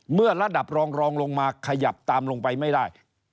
เมื่อระดับรองรองลงมาขยับตามลงไปไม่ได้